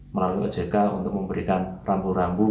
melalui ojk untuk memberikan rambu rambu